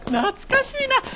懐かしいな。